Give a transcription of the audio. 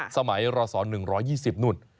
สมัยรศ๑๒๐นู่น